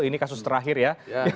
ini kasus terakhir ya